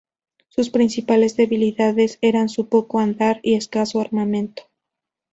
Sus principales debilidades eran su poco andar y escaso armamento.